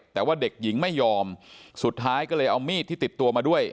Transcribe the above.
แต่ว่าเด็กหญิงไม่ยอมสุดท้ายก็เลยเอามีดที่ติดตัวมาด้วย